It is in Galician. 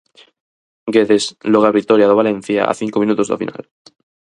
Guedes logra a vitoria do Valencia a cinco minutos do final.